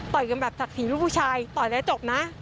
ต่อยกันแบบศักดิ์สีรูปผู้ชายต่อยแล้วจบนะ